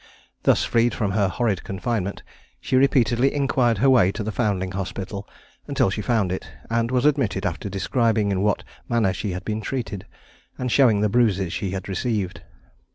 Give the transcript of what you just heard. Thus freed from her horrid confinement, she repeatedly inquired her way to the Foundling Hospital until she found it, and was admitted after describing in what manner she had been treated, and showing the bruises she had received.